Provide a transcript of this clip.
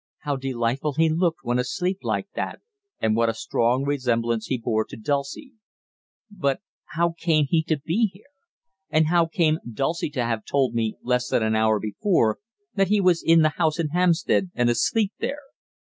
How delightful he looked when asleep like that, and what a strong resemblance he bore to Dulcie. But how came he to be here? And how came Dulcie to have told me, less than an hour before, that he was in the house at Hampstead, and asleep there?